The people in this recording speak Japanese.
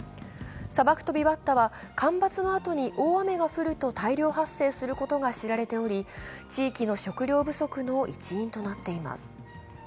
サバクトビバッタは干ばつのあとに大雨が降ると大量発生することが知られており地域の食糧不足の一因となっています。